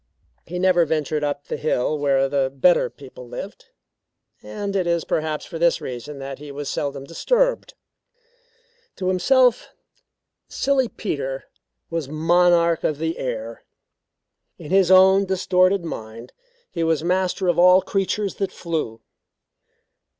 He never ventured up the hill where the better people lived; and it is perhaps for this reason that he was seldom disturbed. To himself Silly Peter was monarch of the air. In his own distorted mind he was master of all creatures that flew.